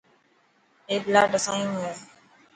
اي پلاٽ اسانيو هي.